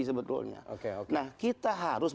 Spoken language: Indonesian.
sebetulnya nah kita harus